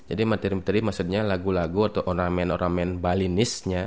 jadi materi materi maksudnya lagu lagu atau oramen oramen balinisnya